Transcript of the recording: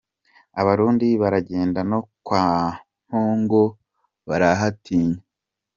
Abarundi baragenda no kwa Mpongo barahatinya.